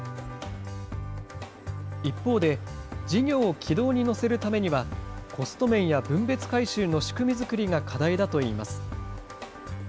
一方で、事業を軌道に乗せるためには、コスト面や分別回収の仕組み作りが課題だといいます。